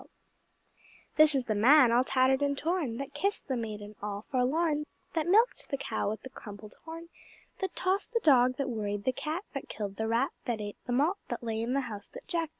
This is the Man all tattered and torn, That kissed the Maiden all forlorn, That milked the Cow with the crumpled horn, That tossed the Dog, That worried the Cat, That killed the Rat, That ate the Malt, That lay in the House that Jack built.